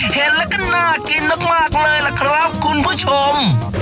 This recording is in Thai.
เห็นแล้วก็น่ากินมากเลยล่ะครับคุณผู้ชม